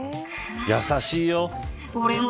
優しいよ。